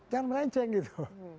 jangan melenceng gitu